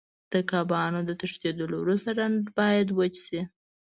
د کبانو د تښتېدلو وروسته ډنډ باید وچ شي.